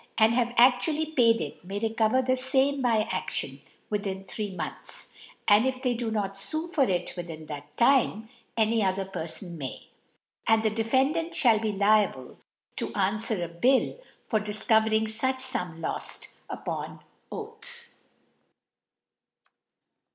and have aftuaily paid it, may* recover the fame by Aftion withi^i three Months J and if they do not fue for itwith ^ in that Time, any other Pcrfon may J . And the Defendant ihall be liable tb an ' fwer a Bill for difcovering fuch Sum loft, upon Oath.